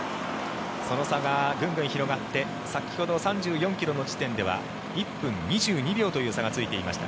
その差がぐんぐん広がって先ほど３４ｋｍの地点では１分２２秒という差がついていました。